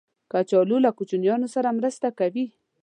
کچالو له کوچنیانو سره مرسته کوي